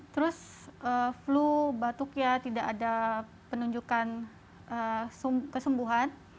terus flu batuknya tidak ada penunjukan kesembuhan